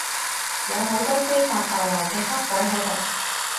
有好多非法逗留嘅黑鬼喺度